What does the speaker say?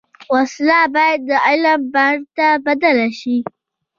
وسله باید د علم بڼ ته بدله شي